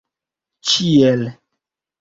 ĉiel